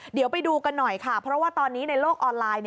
เดี๋ยวไปดูกันหน่อยค่ะเพราะว่าตอนนี้ในโลกออนไลน์